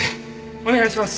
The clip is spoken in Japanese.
お願いします。